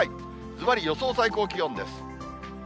ずばり予想最高気温です。